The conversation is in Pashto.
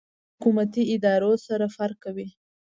او له حکومتي ادارو سره فرق کوي.